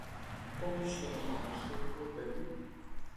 东雪莲是日本人